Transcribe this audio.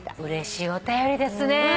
うれしいお便りですね。